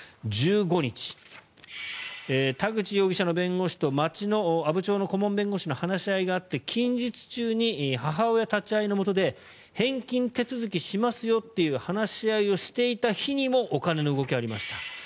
１５日、田口容疑者の弁護士と阿武町の顧問弁護士の話し合いがあって近日中に母親立ち会いのもとで返金手続きしますよという話し合いをしていた日にもお金の動きがありました。